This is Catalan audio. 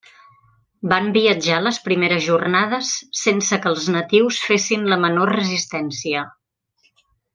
Van viatjar les primeres jornades sense que els natius fessin la menor resistència.